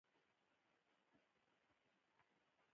• د غاښونو درملنه یو اړین ضرورت دی.